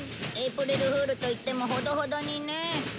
エープリルフールといってもほどほどにね。